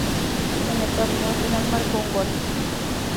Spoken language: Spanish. En el torneo final marcó un gol.